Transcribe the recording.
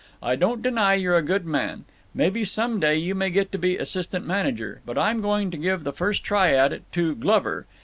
I don't deny you're a good man. Maybe some day you may get to be assistant manager. But I'm going to give the first try at it to Glover.